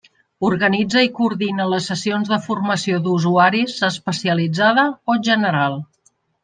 Organitza i coordina les sessions de formació d'usuaris especialitzada o general.